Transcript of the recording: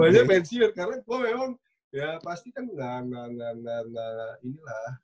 gue aja pensiun karena gue memang ya pasti kan nggak nggak nggak nggak nggak inilah